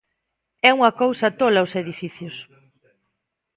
É unha cousa tola os edificios!